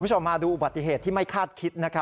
คุณผู้ชมมาดูอุบัติเหตุที่ไม่คาดคิดนะครับ